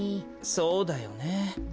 そうだよね。